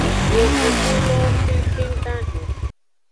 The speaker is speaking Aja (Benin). Yovogbulowo kengkeng dahen.